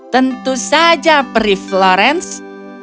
tentu saja perif florence